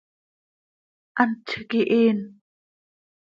¡Hant z iiqui hiin!